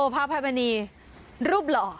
พระอภัยมณีรูปหล่อ